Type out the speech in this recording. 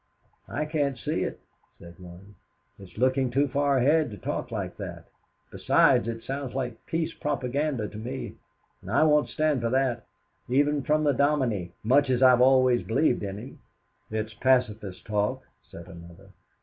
"I can't see it," said one; "it's looking too far ahead to talk like that. Besides, it sounds like peace propaganda to me, and I won't stand for that, even from the Domine, much as I have always believed in him." "It's pacifist talk," said another.